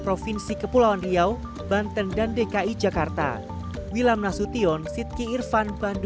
provinsi kepulauan riau banten dan dki jakarta